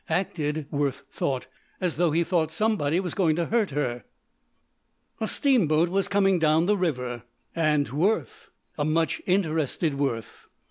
Acted, Worth thought, as though he thought somebody was going to hurt her. A steamboat was coming down the river. And Worth! a much interested Worth.